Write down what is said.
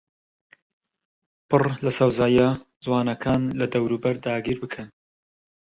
پڕ لە سەوزاییە جوانەکان کە دەوروبەر داگیربکەن